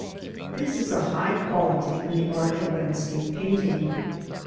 This is a high quality in the art of landscape painting.